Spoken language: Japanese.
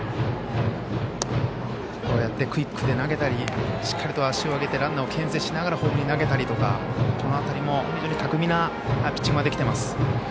こうやってクイックで投げたりしっかりと足を上げてランナーをけん制しながらホームに投げたりとかこの辺りも非常に巧みなピッチングができています。